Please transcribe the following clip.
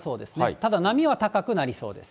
ただ波は高くなりそうです。